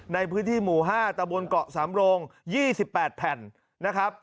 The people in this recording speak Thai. ในพื้นที่หมู่๕ตะบนเกาะสำโรง๒๘แผ่นนะครับ